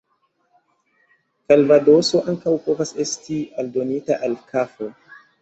Kalvadoso ankaŭ povas esti aldonita al kafo.